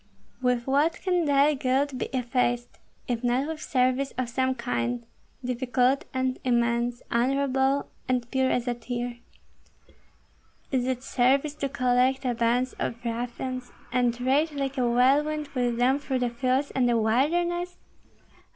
"With what can thy guilt be effaced, if not with service of some kind, difficult and immense, honorable and pure as a tear? Is it service to collect a band of ruffians and rage like a whirlwind with them through the fields and the wilderness?